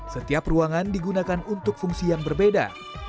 setiap ruangan digunakan untuk fungsi yang berbeda